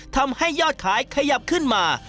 ทำให้ยอดขายขยับขึ้นมา